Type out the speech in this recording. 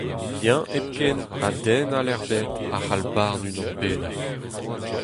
Eñ hepken ha den all ebet a c'hall barn unan bennak.